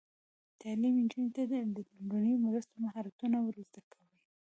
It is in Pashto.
تعلیم نجونو ته د لومړنیو مرستو مهارتونه ور زده کوي.